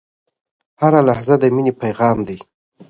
هره لحظه د میني پیغام لري